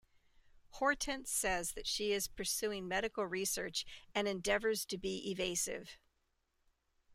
Hortense says that she is pursuing medical research and endeavours to be evasive.